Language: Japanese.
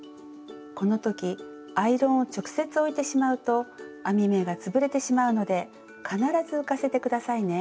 この時アイロンを直接置いてしまうと編み目が潰れてしまうので必ず浮かせて下さいね。